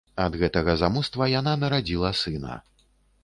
Ад гэтага замуства яна нарадзіла сына.